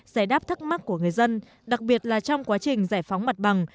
giải đáp thắc mắc của người dân đặc biệt là trong quá trình giải phóng mặt bằng